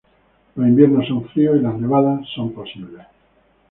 Los inviernos son fríos y las nevadas son posibles.